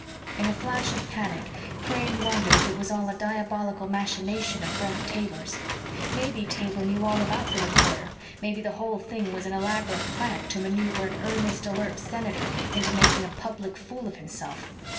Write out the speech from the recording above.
In a flash of panic, Crane wondered if it was all a diabolical machination of Brent Taber's. Maybe Taber knew all about the recorder. Maybe the whole meeting was an elaborate plant to maneuver an earnest, alert senator into making a public fool of himself.